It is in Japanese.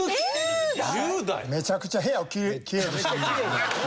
めちゃくちゃ部屋をきれいに。